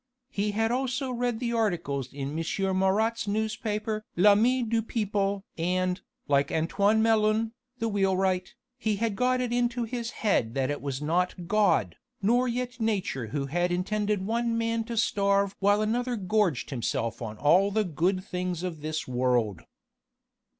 He had also read the articles in M. Marat's newspaper L'ami du Peuple! and, like Antoine Melun, the wheelwright, he had got it into his head that it was not God, nor yet Nature who had intended one man to starve while another gorged himself on all the good things of this world.